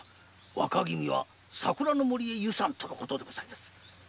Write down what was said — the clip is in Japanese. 若君は桜の森へ遊山とのことでございます。